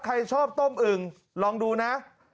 ใครชอบต้มอึ่งลองดูนะ